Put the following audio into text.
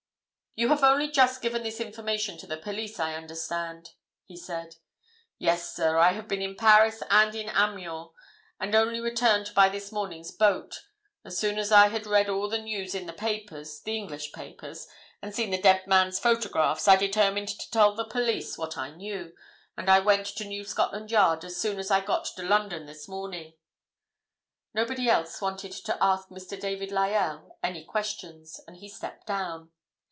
"You have only just given this information to the police, I understand?" he said. "Yes, sir. I have been in Paris, and in Amiens, and I only returned by this morning's boat. As soon as I had read all the news in the papers—the English papers—and seen the dead man's photographs I determined to tell the police what I knew, and I went to New Scotland Yard as soon as I got to London this morning." Nobody else wanted to ask Mr. David Lyell any questions, and he stepped down.